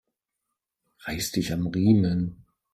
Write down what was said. Reiß dich am Riemen